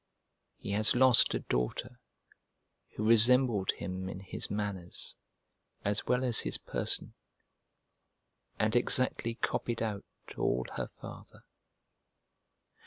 He has lost a daughter who resembled him in his manners, as well as his person, and exactly copied out all her father.